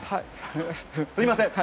すみません。